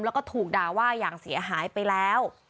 แล้วก็ถูกด่าว่าอย่างเสียหายไปแล้ว